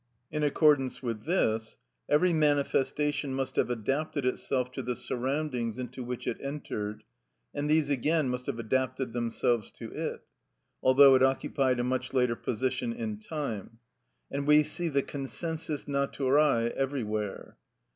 In accordance with this, every manifestation must have adapted itself to the surroundings into which it entered, and these again must have adapted themselves to it, although it occupied a much later position in time; and we see this consensus naturæ everywhere.